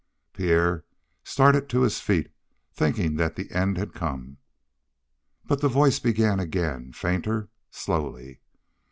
Pierre started to his feet, thinking that the end had come. But the voice began again, fainter, slowly.